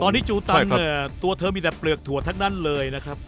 ตอนนี้จูตันเนี่ยตัวเธอมีแต่เปลือกถั่วทั้งนั้นเลยนะครับ